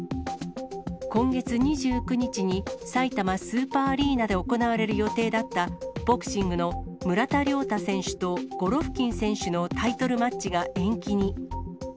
今月２９日に、さいたまスーパーアリーナで行われる予定だった、ボクシングの村田諒太選手とゴロフキン選手のタイトルマッチが延期に。